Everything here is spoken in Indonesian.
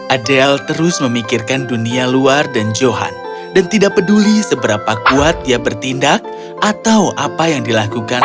adel terus memikirkan dunia luar dan johan dan tidak peduli seberapa kuat dia bertindak atau apa yang dilakukan